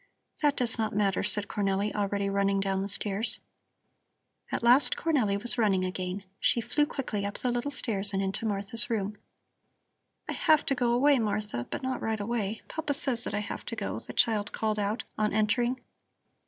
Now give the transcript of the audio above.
"That does not matter," said Cornelli, already running down the stairs. At last Cornelli was running again. She flew quickly up the little stairs and into Martha's room. "I have to go away, Martha, but not right away. Papa says that I have to go," the child called out on entering.